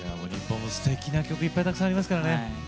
日本のすてきな曲いっぱいたくさんありますからね。